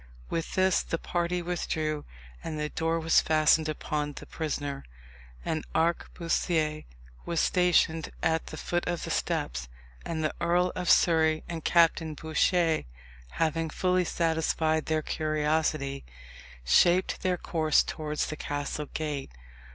With this the party withdrew, and the door was fastened upon the prisoner. An arquebusier was stationed at the foot of the steps; and the Earl of Surrey and Captain Bouchier having fully satisfied their curiosity, shaped their course towards the castle gate.